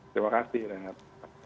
terima kasih renat